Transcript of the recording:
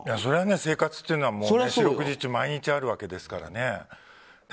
生活っていうのは四六時中毎日あるわけですからね。